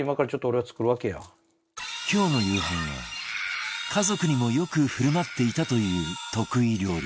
今日の夕飯は家族にもよく振る舞っていたという得意料理